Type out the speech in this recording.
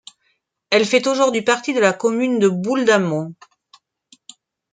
Elle fait aujourd'hui partie de la commune de Boule-d'Amont.